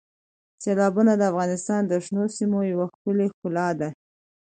سیلابونه د افغانستان د شنو سیمو یوه ښکلې ښکلا ده.